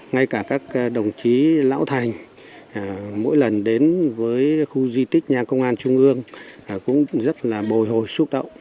ngay cả các đồng chí lão thành mỗi lần đến với khu di tích nhà công an trung ương cũng rất là bồi hồi xúc động